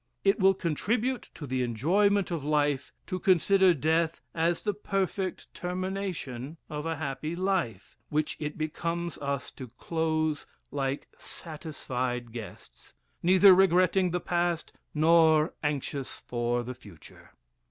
It will contribute to the enjoyment of life, to consider death as the perfect termination of a happy life, which it becomes us to close like satisfied guests, neither regretting the past, nor anxious for the future.